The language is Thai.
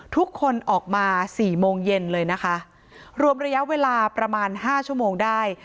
ทุกคนออกมาสี่โมงเย็นเลยนะคะรวมระยะเวลาประมาณห้าชั่วโมงได้